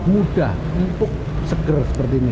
mudah untuk seger seperti ini